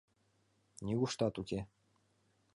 Нигуштат уке...